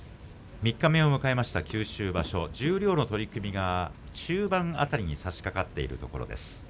三日目を迎えました九州場所十両の取組が終盤辺りにさしかかっているところです。